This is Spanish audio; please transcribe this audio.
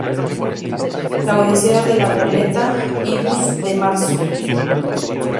La odisea de la goleta Idus de Marzo.